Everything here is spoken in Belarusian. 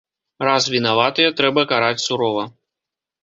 Раз вінаватыя, трэба караць сурова.